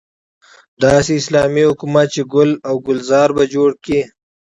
داسې اسلامي حکومت چې ګل او ګلزار به جوړ کړي.